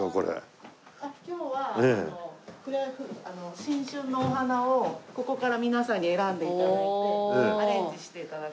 今日は新春のお花をここから皆さんに選んで頂いてアレンジして頂く。